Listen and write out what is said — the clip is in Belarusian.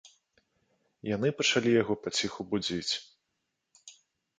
Яны пачалі яго паціху будзіць.